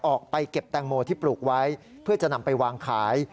ออกไปเก็บแตงโมที่ปลูกไว้เพื่อจะนำไปวางขาย